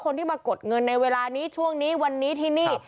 คนที่มากดเงินในเวลานี้ช่วงนี้วันนี้ที่นี่